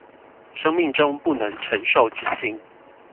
生命中不能承受之輕